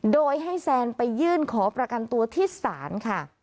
โดยให้แซนไปยื่นขอประกันตัวที่ศาลค่ะ